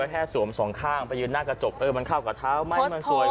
แค่สวมสองข้างไปยืนหน้ากระจกเออมันเข้ากับเท้าไหมมันสวย